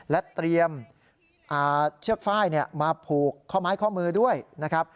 และเตรียมเชือกฝ้ายมาผูกข้อไม้ข้อมือด้วยนะครับ